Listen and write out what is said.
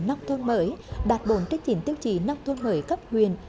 nông thôn mới đạt bốn trên chín tiêu chí nông thôn mới cấp huyện